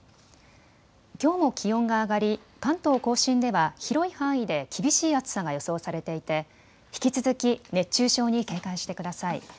きょうも気温が上がり関東甲信では広い範囲で厳しい暑さが予想されていて引き続き熱中症に警戒してください。